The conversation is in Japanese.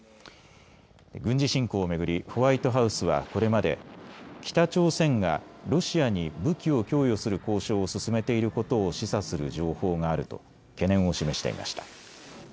軍事侵攻を巡りホワイトハウスはこれまで北朝鮮がロシアに武器を供与する交渉を進めていることを示唆する情報があると懸念を示していました。